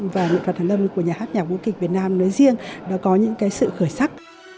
và nghệ thuật hàn lâm của nhà hát nhạc vũ kịch việt nam nói riêng nó có những sự khởi sắc